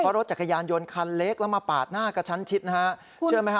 เพราะรถจักรยานยนต์คันเล็กแล้วมาปาดหน้ากระชั้นชิดนะฮะเชื่อไหมฮะ